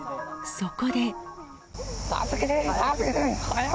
そこで。